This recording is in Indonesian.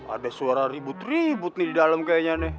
ada suara ribut ribut nih di dalem kaya nya nih